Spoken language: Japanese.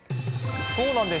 そうなんです。